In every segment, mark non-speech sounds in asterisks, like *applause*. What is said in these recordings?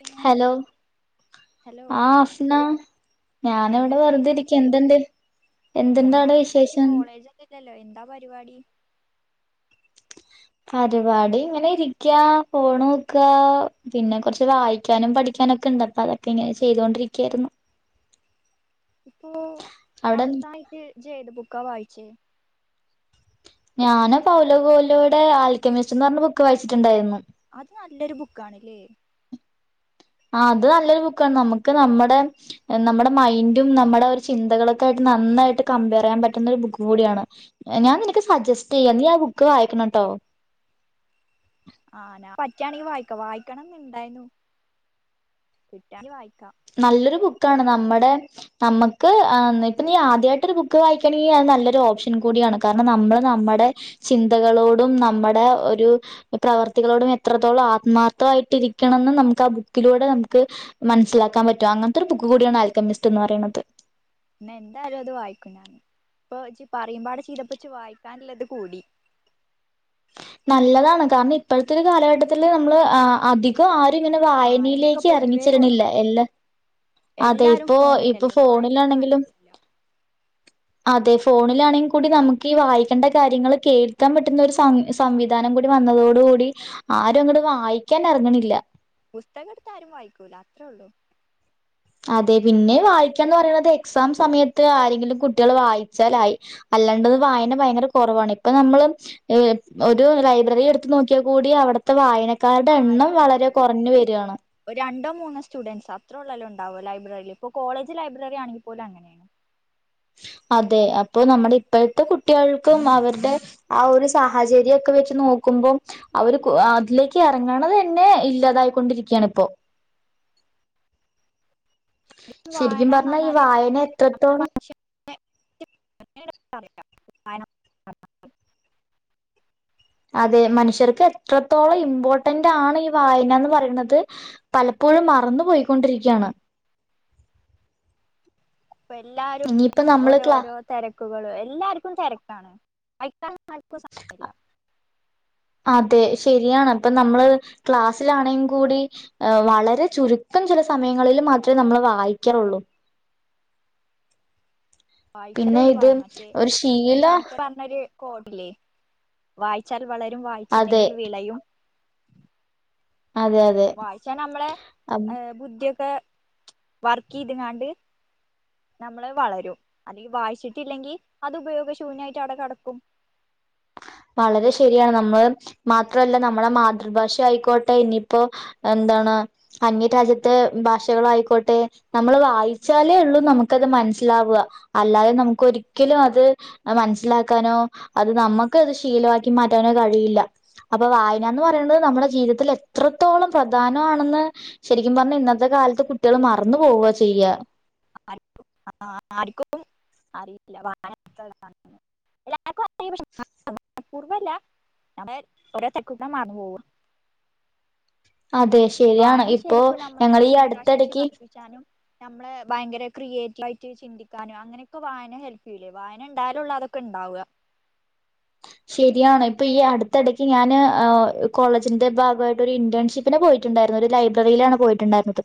പിന്നെ hello hello ആ അഫ്ന ഞാൻ ഇവടെ എന്താ വെറുതെ ചെയ്യണേ ഇരിക്ക എന്ത്ണ്ട്? മൂന്നാല് എന്ത്ണ്ടവടെ ദിവസായിട്ട് വിശേഷം. കോളേജൊന്നും ഇല്ലല്ലോ എന്താ പരിവാടി. പരിവാടി ഇങ്ങനെ ഇരിക്കാ ഫോണോക്കാ. പിന്നെ കൊറച്ച് വായിക്കാനും പഠിക്കാനൊക്കെ ഇണ്ട് അപ്പൊ അതൊക്കെ ഇങ്ങനെ ചെയ്തൊണ്ടിരിക്യാരുന്നു. ഇപ്പോ അവിടെ അവസായിട്ട് ഇജ് ഏത് ബുക്കാ വായിച്ച് ഞാന് പൗലോ കൗലോടെ ആൽക്കെമിസ്റ്റ് എന്ന് പറഞ്ഞ ബുക്ക് വായിച്ചിട്ടുണ്ടായ്ന്നു. അത് നല്ലൊരു ബുക്കാണ് ലേ ആഹ് അത് നല്ലൊരു ബുക്കാണ്. നമുക്ക് നമ്മടെ നമ്മടെ മൈൻഡും നമ്മടെ ഒരു ചിന്തകളൊക്കെ ആയിട്ട് നന്നായിട്ട് കമ്പയർ ചെയ്യാൻ പറ്റുന്ന ഒരു ബുക്ക് കൂടിയാണ്. ഞാൻ നിനക്ക് സജസ്റ്റ് ചെയ്യാം നീ ആ ബുക്ക് വായിക്കണം ട്ടോ. ഓഹ് ആഹ് ഞാൻ പറ്റാണെങ്കി വായിക്ക. വായിക്കണംന്ന് ഇണ്ടായിന്നു. കിട്ടാണെ വായി നല്ലൊരു ബു ക്കാണ്, നമ്മടെ നമക്ക് ആ ന്ന് ഇപ്പൊ നീ ആദ്യായിട്ട് ഒരു ബുക്ക് വായിക്കാണെങ്കി അത് നല്ലൊരു ഓപ്ഷൻ കൂടി യാണ്. കാരണം, നമ്മള് നമ്മടെ ചിന്തകളോടും നമ്മടെ ഒരു പ്രവർത്തികളോടും എത്ര ത്തോളം ആത്മാർത്ഥായിട്ട് ഇരിക്കണംന്ന് നമുക്ക് ആ ബുക്കിലൂടെ നമുക്ക് മനസ്സിലാ ക്കാൻ പറ്റും അങ്ങനത്തെ ഒരു ബുക്ക് കൂടിയാണ് ആൽക്കമിസ്റ്റ് എന്ന് പറയ്ണത്. ഇന്നാ എന്തായാലും അത് വായിക്കും ഞാന്. ഇപ്പൊ ഇജ് പറയുമ്പാടെ ചെയ്തപ്പ ഇച്ച് വായിക്കാന്ള്ളത് കൂടി. നല്ലതാണ് കാരണം, ഇപ്പഴത്തെ ഒരു കാലഘട്ടത്തില് നമ്മള് ആ അധികം ആര് രും ഇങ്ങനെ വായനയൊക്കെ വായനയിലേക്ക് എറങ്ങി പൊതുവേ ചെല്ല്ണില്ല കുറവാ എല്ല എല്ലാരും ഫോണിലല്ലേ വായനൊന്നും ആർക്കും ഇല്ല. അതെ ഫോണിലാണെങ്കിൽ കൂടി നമുക്ക് ഈ വായിക്കേണ്ട കാര്യങ്ങൾ കേൾക്കാൻ പറ്റുന്ന ഒരു സം സംവിധാനം. കൂടി വന്നതോടു കൂടി ആരും അങ്ങോട്ട് വായിക്കാൻ ഇറങ്ങണില്ല. പുസ്തകം എടുത്ത് ആരും വായിക്കൂല അത്രേ ഉള്ളു. അതെ പിന്നെ വായിക്കാന്ന് പറയുന്നത്, എക്സാം സമയത്ത് ആരെങ്കിലും കുട്ടികള് വായിച്ചാലായി. അല്ലാണ്ടത് വായന ഭയങ്കര കുറവാണ്. ഇപ്പ നമ്മള് ഒരു ലൈബ്രറി എടുത്തു നോക്കിയാൽ കൂടി. ഇപ്പത്തെ വായനക്കാരുടെ എണ്ണം ആരും വളരെ കുറഞ്ഞു വരികയാണ്. മൂന്ന് സ്റ്റുഡന്റ്സ് അത്ര ഉള്ളല്ലോ ഉണ്ടാവോ ലൈബ്രറിയിൽ ഇപ്പോ കോളേജ് ലൈബ്രറി ആണങ്കിൽ പോലും അങ്ങനെയാണ്. അതെ അപ്പൊ നമ്മുടെ ഇപ്പോഴത്തെ കുട്ടികൾക്കും അവരുടെ ആ ഒരു സാഹചര്യക്കെ വെച്ച് നോക്ക ക്കുമ്പം അവര് അതിലേക്ക് ഇറങ്ങണത് തന്നെ ഇല്ലാതായിക്കൊണ്ടിരിക്കുകയാണ് ഇപ്പോ. ശരിക്കും വായനന്ന് പറഞ്ഞാ ഈ പറഞ്ഞാല് വായന എത്രത്തോളം. മനുഷ്യനെ *unintelligible* അതെ മനുഷ്യർക്ക് എത്രത്തോളം ഇമ്പോർട്ടന്റാണ് ഈ വായനാന്ന് പറേണത് പല പ്പോഴും മറന്നു പോയിക്കൊണ്ടിരിക്കാണ്. *inaudible* ഇപ്പ എല്ലാരും ഇനിയിപ്പ നമ്മള് ഓരോ ക്ലാ ഓരോ തിരക്കുകൾ എല്ലാർക്കും തെരക്കാണ്. *inaudible* അതെ ശരിയാണ് അപ്പം നമ്മള് ക്ലാസ്സിലാണെങ്കി കൂടി വളരെ ചുരുക്കം ചില സമയങ്ങളിൽ. മാത്രേ നമ്മള് വായിക്കറുള്ളു. *inaudible* പിന്നെ വായിച്ചാലുള്ളു ഇത് *unintelligible* മറ്റേ ഒരു പി എൻ ശീല പണിക്കർ പർഞൊര് കോഡില്ലേ വായിച്ച വളരും അതെ വായിച്ചില്ലെങ്കിൽ വിളയും. അതെ അതെ വായിച്ചാ നമ്മളെ ബുദ്ധിയൊക്കെ വർക്ക്യ്ത് കാണ്ട്. നമ്മള് വളരും അല്ലെ വായിച്ചിട്ടില്ലെങ്കി അത് ഉപയോഗശൂന്യായിട്ട് അടെ കെടക്കു. *inaudible* വളരെ ശരിയാണ് നമ്മള് മാത്രല്ല നമ്മളെ മാതൃഭാഷ ആയിക്കോട്ടെ ഇനിയിപ്പോ. ന്താണ് അന്യരാജ്യത്തെ ഭാഷകളായിക്കോട്ടെ നമ്മൾ വായിച്ചാലേ ഉള്ളൂ നമുക്കത് മ ൻസ്സിലാവ അല്ലാതെ നമുക്ക് ഒരിക്കലും അത് മനസ്സിലാക്കാനോ അത് നമ്മ ക്കത് ശീലമാക്കി മാറ്റാനേ കഴിയില്ല. അപ്പൊ വായനന്ന് പറിണത് നമ്മുടെ ജീവിതത്തിൽ എത്രത്തോളം പ്രധാനമാണെന്ന് ശരിക്കും പറഞ്ഞ ഇന്നത്തെ ക കാലത്ത് കുട്ട്യാള് മറന്നു പോവ ചെയ്യ. ആര്ക്കും ആ ആ ആര്ക്കും അറിയില്ല വായന. *unintelligible* *unintelligible* ൻപ്പൂർവല്ല *unintelligible* ഓരോ. *unintelligible* അതെ ശരിയാണ് വായന ഇപ്പോ ശരിക്കും നമ്മളെ ഞങ്ങളീ ചിന്താശേഷി അടുത്തിടക്ക് വർധിച്ചാനും നമ്മളെ ഭയങ്കര. ക്രിയേറ്റീവയിട്ട് ചിന്തിക്കാനും അങ്ങനൊക്കെ വായന ഹെല്പ് യൂലെ വായന ണ്ടായുലുള്ളു അതൊക്കെ ണ്ടാവ. *inaudible* ശെരിയാണ് ഇപ്പൊ ഈ അടുത്തിടയ്ക്ക് ഞാന് ഏ ഓ കോളേജിന്റെ ഭാഗായിട്ട് ഒരു ഇന്റേൺഷിപ്പിന് പോയി ട്ടുണ്ടായിര്ന്ന് ഒര് ലൈബ്രറീലാണ് പോയിട്ടുണ്ടായിരുന്നത്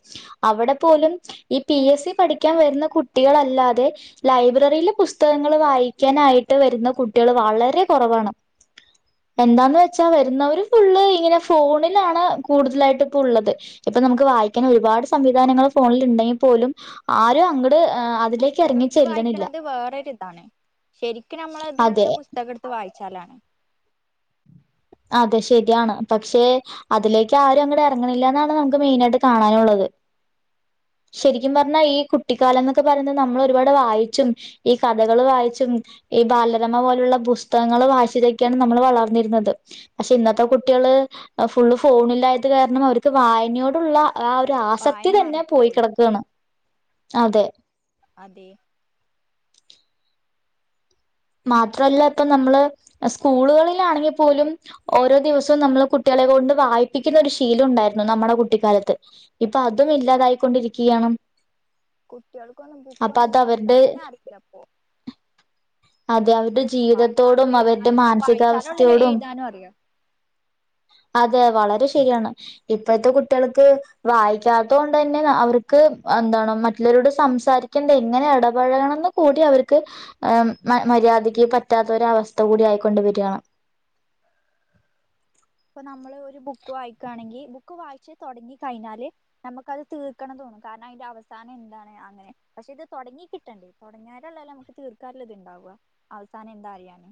അവിടെ പോലും ഈ പി എസ് സി പഠിക്കാൻ വരുന്ന കു കുട്ടികളല്ലാതെ ലൈബ്രറിയില് പുസ്തകങ്ങൾ വായിക്കാനായിട്ട് വരുന്ന കുട്ടികൾ വളരെ. കൊറവാണ്. എന്താന്ന് വെച്ചാ വരുന്നവര് ഫുള്ള് ഇങ്ങനെ ഫോണിലാണ് കൂടുതലായിട്ട് ഇപ്പുള്ളത്. ഇപ്പൊ നമുക്ക് വായിക്കാൻ ഒരുപാട് സംവിധാനങ്ങൾ ഫോണിൽ ഉണ്ടെങ്കി പോലും ആരും അ പുസ്തകട്ത്ത് വായിക്കണത് വേറൊരിതാണ് ശെരിക്ക് നമ്മളത് അത് കിട്ടാ പുസ്തകട്ത്ത് വായി ചലാണ്. അതെ ശരിയാണ് പക്ഷെ അതിലേക്ക് ആരും അങ്ങട് എറങ്ങണില്ല ന്നാണ് നമുക്ക് മെയിനായിട്ട് കാണാനുള്ളത്. *inaudible* ശരിക്കും പർഞ്ഞാ ഈ കുട്ടിക്കാലന്നൊക്കെ പറിന്നെ നമ്മൾ ഒരുപാട് വായിച്ചും ഈ കഥകള് വായിച്ചും. ഈ ബാലരമ പോലെയുള്ള പുസ്തകങ്ങൾ വായിച്ചിട്ടൊക്കൊയാണ് നമ്മൾ വളർന്നിരുന്നത്. ക്ഷെ ഇന്നത്തെ കുട്ടിള് ഫുള്ള് ഫോണില്ലായത് കാരണം അവർക്ക് വായനയോടുള്ള. ആ ഒരു ആസക്തി വായന തന്നെ മറന്നു പോയി കെടക്കാണ് അതെ. അതെ. മാത്രല്ല ഇപ്പ നമ്മള് സ്കൂളുകളിലാണെങ്കി പോലും ഓരോ ദിവസും നമ്മള് കുട്ടി കൊണ്ട് വായിപ്പിക്കുന്ന ഒരു ശീലം ഉണ്ടായിരുന്നു നമ്മുടെ കുട്ടിക്കാലത്ത് ഇപ്പൊ അതും ഇല്ലാതായിക്കൊണ്ടിരിക്കുയാണ്. കുട്ടിൾക്കൊന്നും ബുക്കൊന്നും അത് അവരുടെ വായിക്കാനെന്നെ അറീലപ്പൊ. അതെ അവരുടെ ജീവിതത്തോടും അവരുടെ എഴുതാനും ഇപ്പൊ വായിച്ചാലൊള്ളല്ലോ മാനസികാവസ്ഥയോടും. എഴുതാനും അറിയാ അതെ വള രെ ശരിയാണ് ഇപ്പോഴത്തെ കുട്ടിൾക്ക് വായിക്കാത്തോണ്ടന്നെ അവർക്ക് എന്താണ് മ റ്റ് ള്ളാരോട് സംസാരിക്കണ്ടെ എങ്ങനെ എടപഴകണംന്ന് കൂടി അവര്ക്ക്. മ മര്യാദക്ക് പറ്റാത്തൊരവസ്ഥ കൂടി ആയിക്കൊണ്ട് വരാണ്. ഇപ്പൊ നമ്മള് ഒരു ബുക്ക് വായിക്കാണെങ്കിൽ ബുക്ക് വായിച്ച് തൊട്ങ്ങി കഴിഞ്ഞാല് നമ്മക്കത് തീർക്കണം തോ കാരണം അതിന്റെ അവസാനം എന്താണ് അങ്ങനെ പക്ഷെ ഇത് തുടങ്ങി കിട്ടണ്ടേ തുടങ്ങിയള്ള പല്ലും നമുക്ക് തീർക്കാറുള്ള ഇതുണ്ട് അവസാനം എന്താ അറിയാന്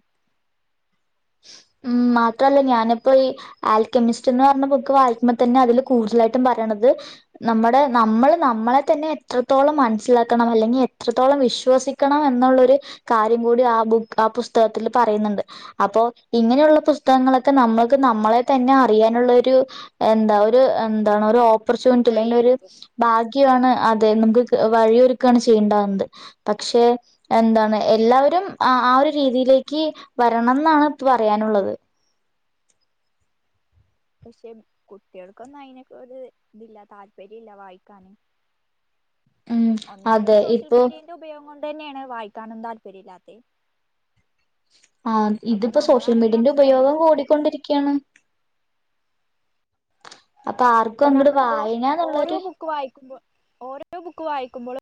ഉം മാത്രല്ല ഞാനിപ്പോ ഈ ആൽക്കെമിസ്റ്റ് എന്ന് പറഞ്ഞ ബുക്ക് വായിക്കുമ്പ തന്നെ അതില് കൂടുതലായിട്ടും നമ്മള് നമ്മൾ നമ്മളെ തന്നെ എത്രത്തോളം മനസിലക്കണം അല്ലെങ്കിൽ എത്രത്തോളം വി വിശ്വസിക്കണം എന്നുള്ളൊരു കാര്യം കൂടി ആ ബുക്ക് ആ പുസ്തകത്തിൽ പറയുന്നുണ്ട് അപ്പോൊ ഇങ്ങനെയുള്ള പുസ്തകങ്ങളൊക്കെ നമ്മൾക്ക് നമ്മളെ തന്നെ അറിയാനുള്ള ഒരു എന്താ ഒരു എന്താണ് ഓപ്പർച്യൂണിറ്റി അല്ലെങ്കിൽ ഒരു വയ്യൊരുക്കും ഭാഗ്യമാണ് അതെ നമുക്ക് വഴിയ തൊക്കെയാണ്ചെയ്യേണ്ടാവുന്നത് പക്ഷെ എന്താണ് എല്ലാവരും ആ ഒരു രീതിയിലേക്ക് വരണം എന്നാണ് ഇ പറയാനുള്ളത് പക്ഷെ കുട്ടികൾക്കൊന്നും അയിനൊക്കെ ഇതില്ല താല്പര്യല്ല വായിക്കാന് ഉം ഒന്നാമത്തെ അതെ സോഷ്യൽ ഇപ്പൊ മീഡിയന്റെ ഉപയോഗം കൊണ്ട് അത് തന്നെയാണ് വായിക്കാന് താല്പര്യ ല്ലാത്തത് ആ ഇതിപ്പോ സോഷ്യൽ മീഡിയന്റെ തന്നെ ഉപയോഗം കൂടിക്കൊണ്ടിരിക്കയാണ് അപ്പൊ ആർക്കും ഇപ്പൊ അങ്ങട് നമ്മളിപ്പോൊ ഓരോ വായനാന്നുള്ളൊരു ബുക്ക് വായിക്കുമ്പോ ഓരോ ബുക്ക് വായിക്കുമ്പോളും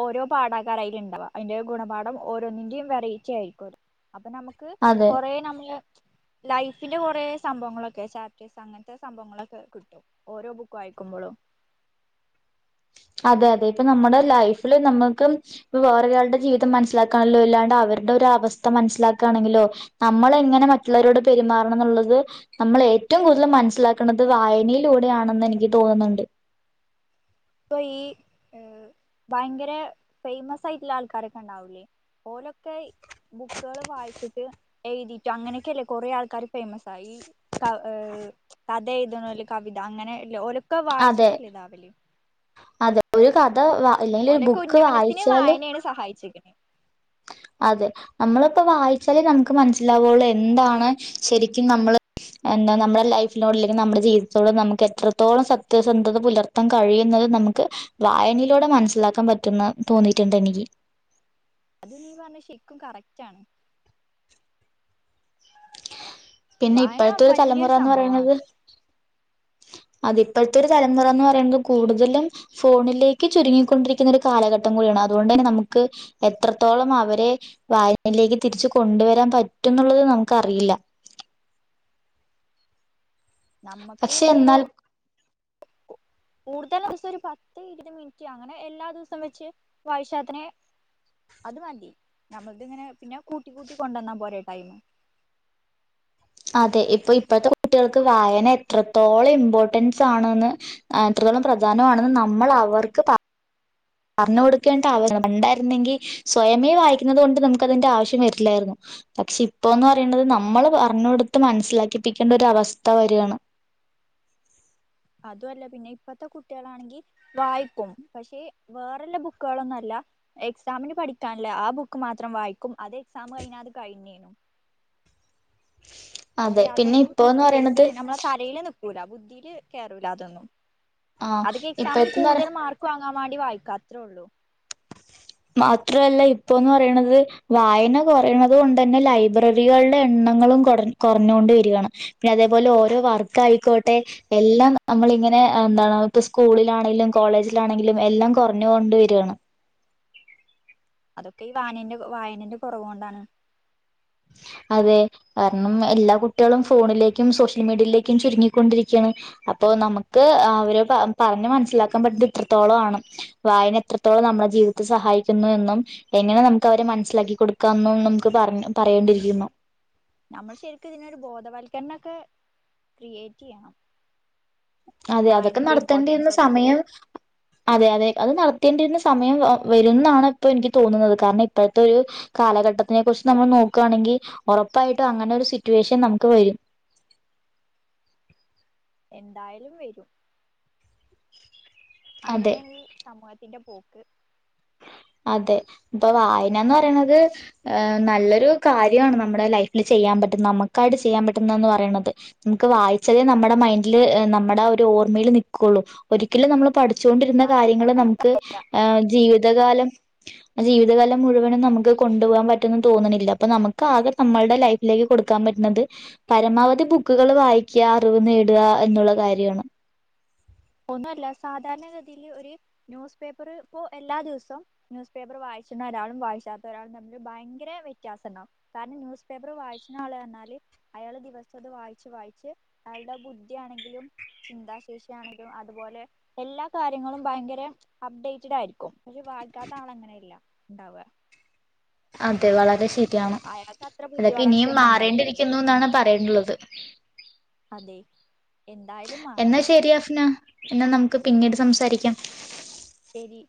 ഓരോ പാഠാകാരം ഉണ്ടാവ അതിന്റെ ഒരു ഗുണപാഠം ഓരോന്നിന്റെയും വെറയിറ്റി ആയിരിക്കും അത് അപ്പൊ നമിക്ക് അതെ കൊറെ നമ്മള് ലൈഫ് ന്റെ കുറെ സംഭവങ്ങളൊക്കെ ചാപ്റ്റേഴ്സ് അങ്ങനത്തെ സംഭങ്ങളൊക്കെ ഓരോ ബുക്കും വായിക്കുമ്പോളോ അതെ അതെ ഇപ്പ നമ്മുടെ ലൈഫില് നമുക്ക് ഇ വേറൊരാളടെ ജീവിതം മനസ്സിലാക്കാണല്ലോ ഇല്ലാണ്ട് അവരുടെ ആ അവസ്ഥ മനസ്സിലാക്കുകയാണെങ്കിലോ നമ്മള് എങ്ങനെ മറ്റുള്ളവരോട് പെരുമാറണം എന്നുള്ളത് നമ്മൾ ഏറ്റവും മനസ്സിലാക്കുന്നത് വായനയിലൂടെയാണെന്ന് എനിക്ക് തോന്നുന്നുണ്ട് യ് ഏഹ് ഭയങ്കര ഫേമസ് ആയിട്ടുള്ള ആൾക്കാരൊക്കെ ഉണ്ടാവൂലേ ഓലൊക്കെ ബുക്കുകൾ വായിച്ചിട്ട് എഴുതിയിട്ടും അങ്ങനെയൊക്കെല്ലേ കൊറേ ആൾക്കാർ ഫേമസ് ആ ഈ കഥ എഴുതണല് കവിത അങ്ങനെല്ല ഓലക്കെ അതെ വായിച്ചിട്ടല്ലേ *inaudible* അതെ *inaudible* ഇല്ലെങ്കിൽ ഒരു ഓലൊക്കെ ബുക്ക് ഉന്നമനത്തിനന് വായിച്ചാല് വായനയാണ് സഹായിച്ചുന്നത് *inaudible* അതെ നമ്മളിപ്പോ വായിച്ചാലേ നമുക്ക് മനസ്സിലാവയുള്ളൂ എന്താണ് ശരിക്കും നമ്മള് എന്താ നമ്മുടെ ലൈഫിനോട് അല്ലെങ്കിൽ നമ്മുടെ ജീവിതത്തോട് നമുക്ക് എത്രത്തോളം സത്യസന്ധത പുലർത്താൻ കഴിയുന്ന നമുക്ക് വായനയിലൂടെ മനസ്സിലാക്കാൻ പറ്റുന്ന തോന്നിയിട്ടുണ്ട് എനിക്ക് അത് നീ പറഞ്ഞത് ശിക്കും കറക്റ്റ്ണ് പിന്നെ വായന ഇപ്പോഴത്തെ ഒരു വലിയൊരു തലമുറന്ന് സംഭവമാണ് പറയുന്നത് അതിപ്പോഴത്തെ ഒരു തലമുറ എന്ന് പറയുന്നത് കൂടുതലും ഫോണിലേക്ക് ചുരുങ്ങിക്കൊണ്ടിരിക്കുന്ന ഒരു കാലഘട്ടം അതുകൊണ്ട് തന്നെ നമുക്ക് എത്രത്തോളം അവരെ വായനയിലേക്ക് തിരിച്ചുകൊണ്ടുവരാൻ പറ്റും എന്നുള്ളത് നമുക്കറിയില്ല ഉ നമ്മക്ക് പക്ഷെ ഇപ്പൊ എന്നാൽ കൂടുതൽ ദിവസം ഒരു പത്ത് ഇരുത് മിനിറ്റ് അങ്ങനെ എല്ലാ ദിവസവും വെച്ച് വായിച്ചാത്തന്നെ അത് മതി നമ്മളത് ഇങ്ങനെ പിന്നെ കൂട്ടി കൂട്ടി കൊണ്ടുവന്നാ പോരെ ടൈം. *inaudible* അതെ ഇപ്പൊ ഇപ്പോഴത്തെ കുട്ടികൾക്ക് വായന എത്രത്തോളം ഇമ്പോർട്ടൻസ് ആണെന്ന് ആ തൃ പ്രധാനമാണെന്ന് നമ്മള് അവർക്ക് പറഞ്ഞു കൊടുക്കേണ്ട ആവശ്യണ്ടായിരുന്നെങ്കിൽ സ്വയമേ വായിക്കുന്നത് കൊണ്ട് നമുക്ക് അതിന്റെ ആവശ്യം വരില്ലായിരുന്നു പക്ഷെ ഇപ്പൊ എന്ന് പറയണത് നമ്മള് പറഞ്ഞ് കൊടുത്ത് മനസ്സിലാക്കിപ്പിക്കേണ്ട ഒരു അവസ്ഥ വരയാണ് *inaudible* അത് അല്ല പിന്നെ ഇപ്പത്തെ കുട്ടികളാണെങ്കിൽ വായിക്കും പക്ഷെ വേറെല്ല ബുക്കുകളൊന്നും അല്ല എക്സാമിന് പഠിക്കാനല്ലേ ആ ബുക്ക് മാത്രം വായിക്കും അത് എക്സാം കഴിഞ്ഞ അത് കഴിഞ്ഞേനും പക്ഷെ അതെ പിന്നെ അതൊന്നും ഇപ്പോന്ന് ശരിക്ക് പറയണത് നമ്മളെ തലയില് നക്കൂല ബുദ്ധിയില് കേയറൂല അതൊന്നും ആ അതൊക്കെ എക്സാമിൽ ഇപ്പഴത്തെന്ന് പറയ കൂടുതൽ മാർക്ക് വാങ്ങാൻ വേണ്ടി വായിക്കാത്രേ ഉള്ളു മാത്രല്ല ഇപ്പോന്ന് പറേണത് വായന കൊറേണത്കൊണ്ടെന്നെ ലൈബ്രറികളുടെ എ ണ്ണങ്ങളും കൊർ കൊർഞ്ഞൊണ്ട് വെരാണ് പിന്നെ അതേപോലെ ഓരോ വർക്കായിക്കോട്ടെ എല്ലാം നമ്മളി ങ്ങനെ എന്താണ് ഇപ്പ സ്കൂളിലാണേലും കോളേജിലാണെങ്കിലും എല്ലാം കൊറഞ്ഞുകൊണ്ട് വരാണ്. അതൊക്കെ ഈ വായനേന്റെ വായനന്റെ കൊറവോണ്ടാണ്. അതെ കാരണം എല്ലാ കുട്ട്യാളും ഫോണിലേക്കും സോഷ്യൽ മീഡിയയിലേക്കും ചുരുങ്ങിക്കൊണ്ടിരിക്കാണ് അപ് അപ്പൊ നമുക്ക് അവരെ പറഞ്ഞ് മനസ്സിലാക്കാൻ പറ്റ്ത് ഇത്രത്തോളാണ് വായന എത്രത്തോളം നമ്മുടെ ജീ വിതത്തെ സഹായിക്കുന്നു എന്നും എങ്ങനെ നമുക്ക് അവരെ മനസ്സിലാക്കി കൊടുക്കാം എന്ന നമുക്ക് പറഞ്ഞു പറയേണ്ടിര്ക്കുന്നു ഞമ്മള് ശെരിക്കുതിനൊരു ബോധവൽക്കരണൊക്കെ ക്രിയേറ്റീയണം. അതെ അതൊക്കെ നടത്തേണ്ടിയിര്ന്ന ഒക്കെ സമയം അതെ അതെ അത് നടത്തേണ്ടിര്ന്ന സമയം വരുന്നാണ് ഇപ്പോ എനിക്ക് തോന്നുന്നത് കാരണം ഇപ്പോഴത്തൊരു കാലഘട്ടത്തിനെ കുറിച്ച്- നമ്മള് നോക്കുയാണെങ്കിൽ ഒറപ്പായിട്ടും അങ്ങനെ ഒരു സിറ്റുവേഷൻ നമുക്ക് വെരും. എന്തായലും വെരും അതെ അങ്ങനേണീ സമൂഹത്തിന്റെ പോക്ക് അതെ ഇപ്പൊ വായനന്ന് പറേണത് എ നല്ലൊരു കാര്യമാണ് നമ്മുടെ ലൈഫിൽ ചെ ചെയാൻ പറ്റും നമുക്കായിട്ട് ചെയ്യാൻ പറ്റുപറയുന്നത് നമുക്ക് വായിച്ചതേ നമ്മടെ മൈൻഡില് നമ്മ- ഓർമ്മയിൽ നിക്ക്ള്ളൂ ഒരിക്കലും നമ്മള് പഠിച്ചോണ്ടിര്ന്ന കാര്യങ്ങള് നമുക്ക് ജീവിതകാലം *inaudible* ജീവിതകാലം മുഴുവനും നമുക്ക് കൊണ്ട് പോകാൻ പറ്റുന്ന് തോന്ന്ണില്ല. നമുക്ക് ആകെ നമ്മൾടെ ലൈഫിലേക്ക് കൊടുക്കാൻ പ പറ്റ്ന്നത് പരമാവധി ബുക്കുകൾ വായിക്ക്യാ അറിവ് നേട്ആ എന്നുള്ള കാര്യാണ്. *inaudible* ഒന്നുല്ല സാധാരണ ഗതീല് ഒരു ന്യൂസ് പേപ്പർ പ്പോ എല്ലാ ദിവസവും ന്യൂസ് പേപ്പർ വായി വായിക്കുന്ന ഒരാളും വായിക്കാത്ത ഒരാളും തമ്മില് ഭയങ്കര വ്യത്യാസണ്ടാവും. കാരണം ന്യൂസ് പേപ്പർ വായിച്ച്ണാള് പറഞ്ഞാല്- അയാള് ദിവസത് വായിച്ച് വായിച്ച് അയാളുടെ ബുദ്ധ്യണെങ്കിലും ചിന്താശേഷ്യാണെങ്ക് ലും അതുപോലെ എല്ലാ കാര്യങ്ങളും ഭയങ്കര അപ്ഡേറ്റഡ് ആയിരിക്കും. പക്ഷെ വായിക്കാത്ത ആളങ്ങനെ അല്ല ഇണ്ടാവ അതെ വളരെ ശെരി ആണ്. അത്ര ബുദ്ധി അതൊക്കെ ഇനിയും വളർച്ചയൊന്നും ഉണ്ടാവില്ലല്ലോ മാറേണ്ടിരിക്ക്ന്നുന്നാണ് പറയേണ്ടുള്ളത് അതെ എന്തായാലും മാറണം. പിന്നാ എന്നാൽ നമുക്ക് പിന്നീട് സംസാരിക്കാം ശെരി